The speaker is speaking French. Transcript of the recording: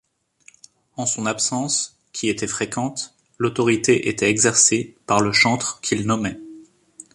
En son absence, qui était fréquente, l’autorité était exercée par le chantre, qu’il nommait.